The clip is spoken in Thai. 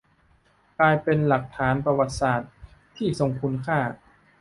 กลายเป็นหลักฐานประวัติศาสตร์ที่ทรงคุณค่า